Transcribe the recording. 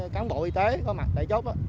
cán bộ y tế có mặt tại chốt